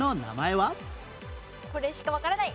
これしかわからない。